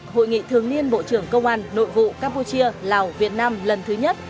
hội nghị thường niên bộ trưởng công an nội vụ campuchia lào việt nam lần thứ nhất